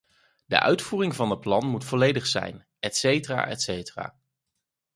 De uitvoering van het plan moet volledig zijn, etc. etc.